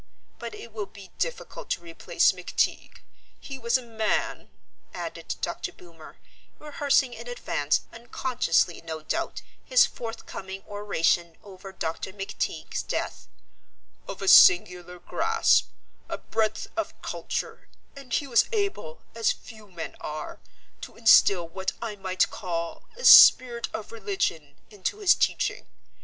But it will be difficult to replace McTeague. He was a man," added Dr. Boomer, rehearsing in advance, unconsciously, no doubt, his forthcoming oration over Dr. McTeague's death, "of a singular grasp, a breadth of culture, and he was able, as few men are, to instil what I might call a spirit of religion into his teaching.